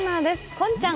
こんちゃん